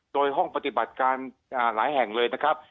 โดยห้องปฏิบัติการหลายแห่งเลยนะครับ